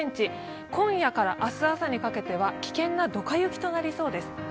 今夜から明日朝にかけては危険などか雪となりそうです。